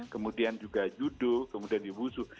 kemudian juga judo kemudian di wusuh